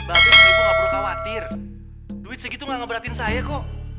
berarti saya ibu gak perlu khawatir duit segitu gak ngeberatin saya kok